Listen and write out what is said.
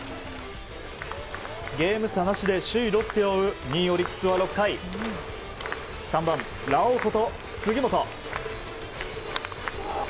ゲーム差なしで首位ロッテを追う２位、オリックスは６回３番、ラオウこと杉本。